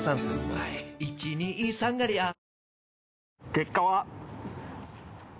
結果は。